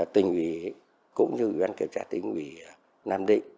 tỉnh ủy cũng như ủy ban kiểm tra tỉnh ủy nam định